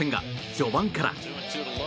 序盤から。